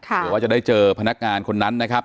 เผื่อว่าจะได้เจอพนักงานคนนั้นนะครับ